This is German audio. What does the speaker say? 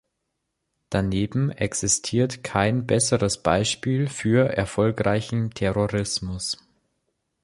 Daneben existiert kein besseres Beispiel für erfolgreichen Terrorismus.